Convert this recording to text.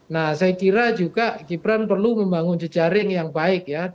nah saya kira juga gibran perlu membangun jejaring yang baik ya